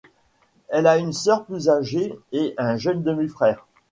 Elle a une sœur plus âgée et un jeune demi-frère.